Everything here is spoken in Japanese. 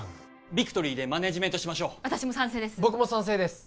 ビクトリーでマネージメントしましょう私も賛成です